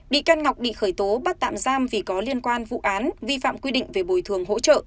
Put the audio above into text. bị can ngọc bị khởi tố bắt tạm giam vì có liên quan vụ án vi phạm quy định về bồi thường hỗ trợ